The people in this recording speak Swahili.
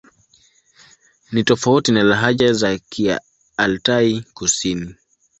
Ni tofauti na lahaja za Kialtai-Kusini.